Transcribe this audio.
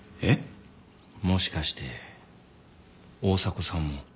もしかして大迫さんも。